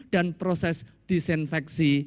dan proses disinfeksi